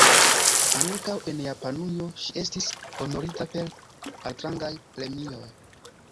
Ankaŭ en Japanujo ŝi estis honorita per altrangaj premioj.